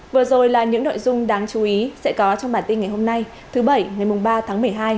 vừa rồi là những nội dung đáng chú ý sẽ có trong bản tin ngày hôm nay thứ bảy ngày ba tháng một mươi hai